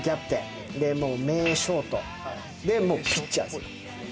名ショート。でピッチャーですよ。